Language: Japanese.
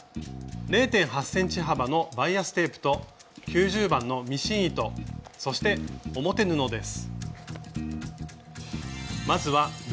０．８ｃｍ幅のバイアステープと９０番のミシン糸そして表布です。